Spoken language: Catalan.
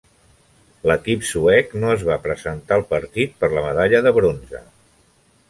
L'equip suec no es va presentar al partit per la medalla de bronze.